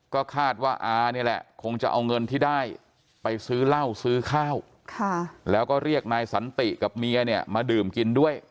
ก็คาดว่าอานี่แหละคงจะเอาเงินที่ได้ไปซื้อเหล้าซื้อข้าวแล้วก็เรียกนายสันติกับเมียเนี่ยมาดื่มกินด้วย